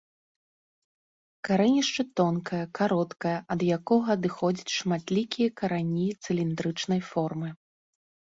Карэнішча тонкае, кароткае ад якога адыходзяць шматлікія карані цыліндрычнай формы.